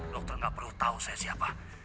dokter gak perlu tahu saya siapa